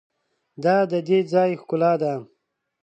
دا د دې ځای ښکلا ده.